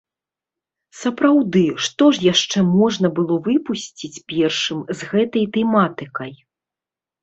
Сапраўды, што ж яшчэ можна было выпусціць першым з гэтай тэматыкай?